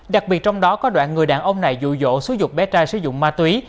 đặc biệt trong đó có đoạn người đàn ông này dụ dỗ xú dục bé trai sử dụng ma túy